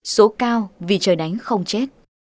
số cao vì trời đánh không chết